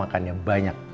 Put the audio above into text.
makan yang banyak